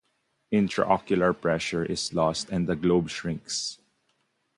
Intraocular pressure is lost and the globe shrinks.